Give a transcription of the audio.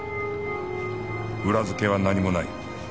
裏づけは何もない